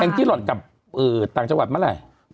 ที่หล่อนกลับต่างจังหวัดเมื่อไหร่